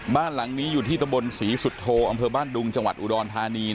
บ้านหลังนี้อยู่ที่ตะบนศรีสุโธอำเภอบ้านดุงจังหวัดอุดรธานี